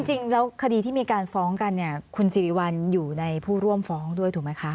จริงแล้วคดีที่มีการฟ้องกันเนี่ยคุณสิริวัลอยู่ในผู้ร่วมฟ้องด้วยถูกไหมคะ